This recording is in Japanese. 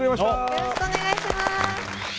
よろしくお願いします。